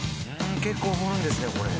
結構掘るんですねこれ。